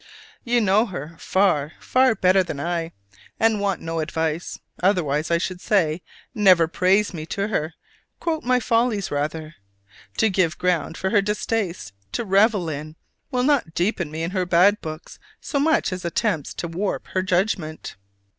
You know her far far better than I, and want no advice: otherwise I would say never praise me to her; quote my follies rather! To give ground for her distaste to revel in will not deepen me in her bad books so much as attempts to warp her judgment.